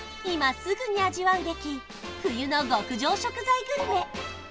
今すぐに味わうべき冬の極上食材グルメ